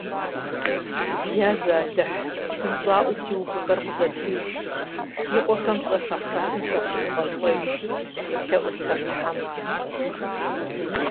Язалыхь, псынщӀэӀуэу си увыпӀэр къызэтыж! Си къуэхэм щӀэх ахърэтым сащыӀугъэщӀэж! - елъэӀурт ар Тхьэм.